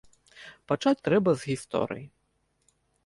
Пачаць трэба з гісторыі.